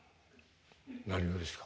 何がですか？